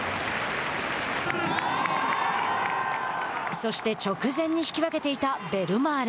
そして直前に引き分けていたベルマーレ。